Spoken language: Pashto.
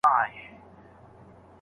- سید ثابت، شاعر او څيړونکی.